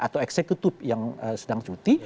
atau eksekutif yang sedang cuti